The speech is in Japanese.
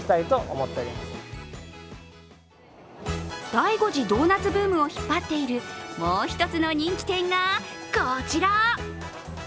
第５次ドーナツブームを引っ張っているもう一つの人気店が、こちら。